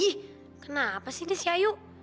ih kenapa sih ini si ayu